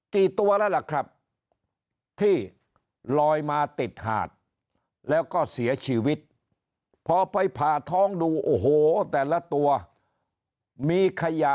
กี่ตัวแล้วล่ะครับที่ลอยมาติดหาดแล้วก็เสียชีวิตพอไปผ่าท้องดูโอ้โหแต่ละตัวมีขยะ